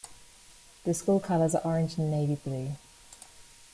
The school colors are orange and navy blue.